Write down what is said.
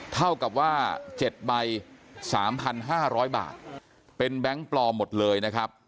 เท่ากับว่า๗ใบ๓๕๐๐บาทเป็นแบงค์ปลอมหมดเลยนะครับ